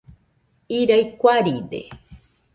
Irai kuaride.